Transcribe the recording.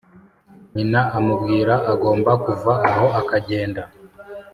nyina amubwira agomba kuva aho akagenda